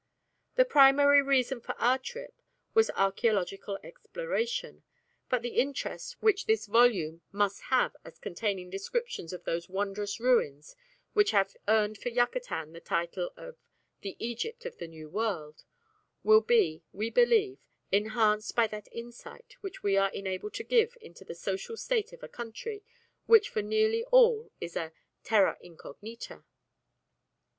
The primary reason of our trip was archæological exploration, but the interest which this volume must have as containing descriptions of those wondrous ruins which have earned for Yucatan the title of "The Egypt of the New World" will be, we believe, enhanced by that insight we are enabled to give into the social state of a country which for nearly all is a "terra incognita."